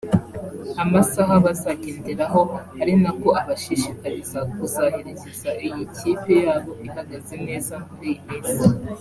amasaha bazagenderaho ari nako abashishikariza kuzaherekeza iyi kipe yabo ihagaze neza muri iyi minsi